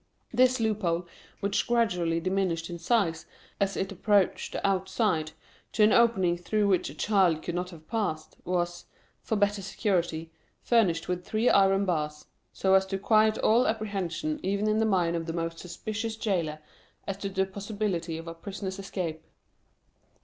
This loophole, which gradually diminished in size as it approached the outside, to an opening through which a child could not have passed, was, for better security, furnished with three iron bars, so as to quiet all apprehensions even in the mind of the most suspicious jailer as to the possibility of a prisoner's escape.